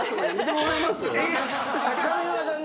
上沼さん